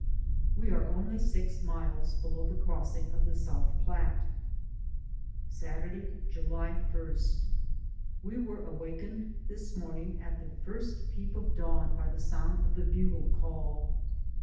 We are only six miles below the crossing of the South Platte. 120 DAYS ON THE ROAD. Saturday, July i. We were awakened this morning at the first peep of dawn by the sound of the bugle call.